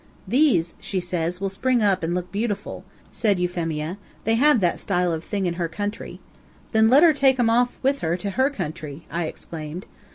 "'These,' she says, 'will spring up and look beautiful,'" said Euphemia; "they have that style of thing in her country." "Then let her take them off with her to her country," I exclaimed.